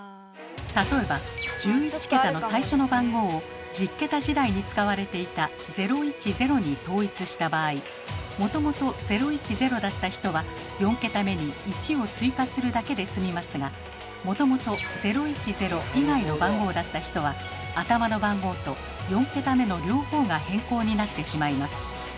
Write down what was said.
例えば１１桁の最初の番号を１０桁時代に使われていた「０１０」に統一した場合もともと「０１０」だった人は４桁目に「１」を追加するだけですみますがもともと「０１０」以外の番号だった人は頭の番号と４桁目の両方が変更になってしまいます。